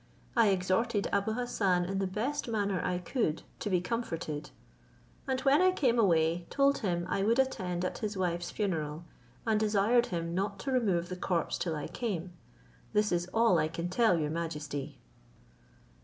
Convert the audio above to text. I exhorted Abou Hassan in the best manner I could to be comforted; and when I came away, told him I would attend at his wife's funeral, and desired him not to remove the corpse till I came. This is all I can tell your majesty."